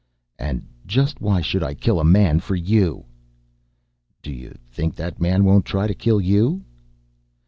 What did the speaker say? "And just why should I kill a man for you?" "Do you think that man won't try to kill you?"